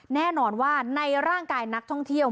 แน่นอนว่าในร่างกายนักท่องเที่ยว